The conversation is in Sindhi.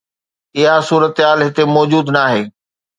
اها صورتحال هتي موجود ناهي.